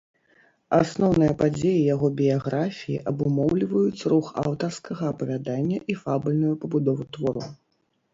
Асноўныя падзеі яго біяграфіі абумоўліваюць рух аўтарскага апавядання і фабульную пабудову твору.